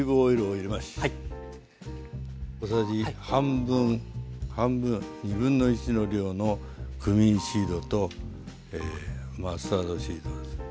小さじ半分半分1/2の量のクミンシードとマスタードシードです。